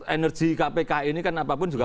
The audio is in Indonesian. energi kpk ini kan apapun juga